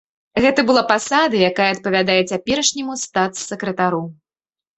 Гэта была пасада, якая адпавядае цяперашняму статс-сакратару.